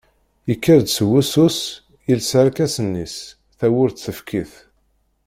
Yekker-d seg wussu-s, yelsa arkasen-is, tawwurt tefk-it.